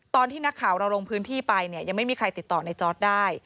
ตอนที่นักข่าวเราลงพื้นที่ไปเนี่ยยังไม่มีใครติดต่อในจอร์ดได้